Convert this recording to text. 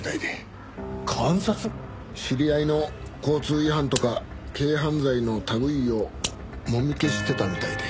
知り合いの交通違反とか軽犯罪の類いをもみ消してたみたいで。